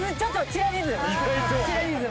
チラリズム。